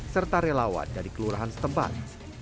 serta relawan dari kelurahan setempat